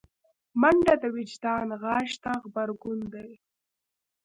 منډه د وجدان غږ ته غبرګون دی